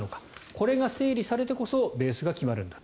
これが整理されてこそベースが決まるんだ